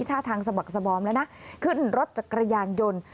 ท่าทางสบักสบอมแล้วนะขึ้นรถจักรยานยนต์